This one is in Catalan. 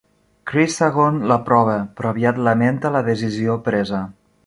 Chrysagon l'aprova, però aviat lamenta la decisió presa.